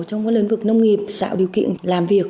trong lĩnh vực nông nghiệp tạo điều kiện làm việc